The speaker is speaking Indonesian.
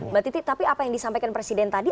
mbak titi tapi apa yang disampaikan presiden tadi